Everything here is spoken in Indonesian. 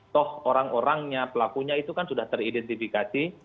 toh orang orangnya pelakunya itu kan sudah teridentifikasi